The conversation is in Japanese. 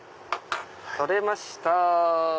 取れました！